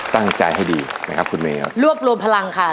ตั้งใจให้ดีนะครับคุณเมย์ครับรวบรวมพลังค่ะ